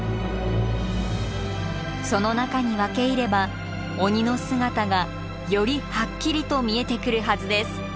その中に分け入れば鬼の姿がよりはっきりと見えてくるはずです。